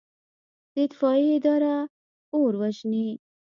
د اطفائیې اداره اور وژني